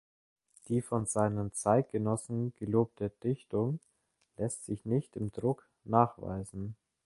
Die von seinen Zeitgenossen gelobte Dichtung lässt sich nicht im Druck nachweisen.